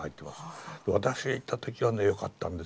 私が行った時はねよかったんですよ。